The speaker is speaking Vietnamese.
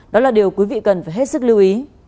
đó là điều quý vị cần phải hết sức lưu ý